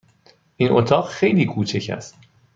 این اتاق خیلی کوچک است.